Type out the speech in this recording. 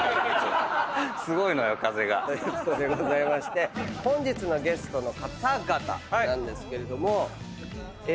すごいのよ風が。ということでございまして本日のゲストの方々なんですけれどもえ